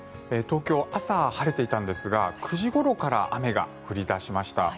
東京、朝は晴れていたんですが９時ごろから雨が降り始めました。